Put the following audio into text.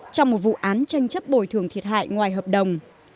trong một vụ án tranh chấp bồi thường thiệt hại ngoài hợp đồng